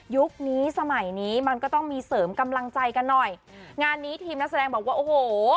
ยุคนี้สมัยนี้มันก็ต้องมีเสริมกำลังใจกันหน่อยงานนี้ทีมนักแสดงบอกว่าโอ้โห